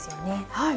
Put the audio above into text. はい。